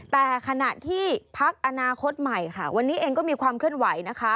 แต่ขณะที่ภักดิ์อนาคตใหม่วันนี้เองก็มีความเคลื่อนไหว